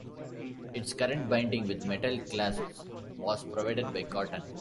Its current binding, with metal clasps, was provided by Cotton.